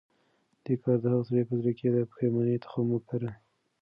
دې کار د هغه سړي په زړه کې د پښېمانۍ تخم وکره.